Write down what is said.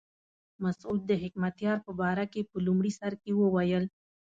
مسعود د حکمتیار په باره کې په لومړي سر کې وویل.